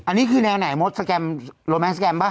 อันนี้คือแนวไหนมตรสแกมโรแมนส์สแกมป่ะ